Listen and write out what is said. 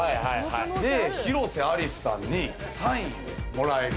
広瀬アリスさんにサインもらえる？